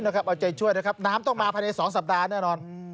เอาใจช่วยนะครับน้ำต้องมาภายใน๒สัปดาห์แน่นอน